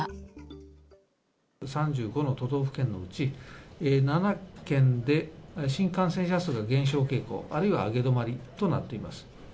３５の都道府県のうち、７県で新規感染者数が減少傾向あるいは上げ止まりとなっています。